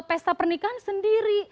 kalau pesta pernikahan sendiri